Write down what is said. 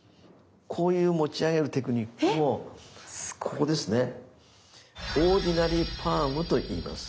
こういう持ち上げるテクニックをここですねオーディナリー・パームと言います。